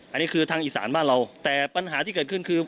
อันนี้คือทางอีสานบ้านเราแต่ปัญหาที่เกิดขึ้นคือ